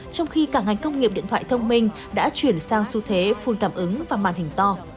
trong khi cả ngành công nghiệp điện thoại thông minh đã chuyển sang xu thế full tạm ứng và màn hình to